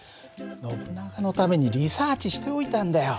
ノブナガのためにリサーチしておいたんだよ。